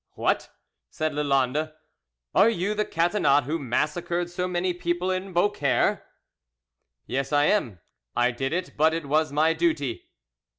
"What!" said Lalande, "are you the Catinat who massacred so many people in Beaucaire?" "Yes, I am. I did it, but it was my duty."